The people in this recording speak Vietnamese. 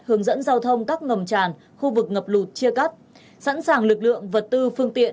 hướng dẫn giao thông các ngầm tràn khu vực ngập lụt chia cắt sẵn sàng lực lượng vật tư phương tiện